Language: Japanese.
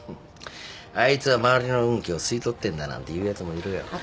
あいつは周りの運気を吸い取ってんだなんて言うやつもいるよ。